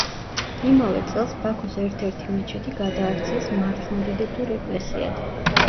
იმავე წელს ბაქოს ერთ-ერთი მეჩეთი გადააქციეს მართლმადიდებლურ ეკლესიად.